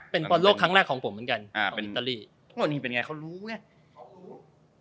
เป็นเดี๋ยวนี้เป็นไงเขารู้น่ะเขารู้